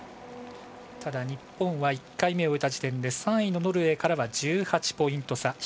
ただ日本は１回目を終えた時点で３位のノルウェーからは１８ポイント差。